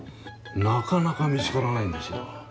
なかなか見つからないんですよ。